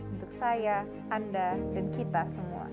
untuk saya anda dan kita semua